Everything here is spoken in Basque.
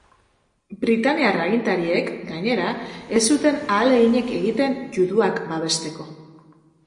Britainiar agintariek, gainera, ez zuten ahaleginik egiten juduak babesteko.